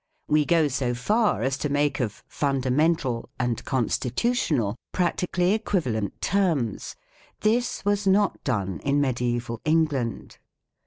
We go so far as to make of " fundamental " and " constitutional " practi cally equivalent terms. This was not done in medi aeval England.